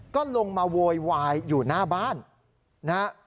ก็ลงมาโวยวายอยู่หน้าบ้านนะฮะ